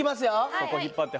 そこ引っ張ってはい。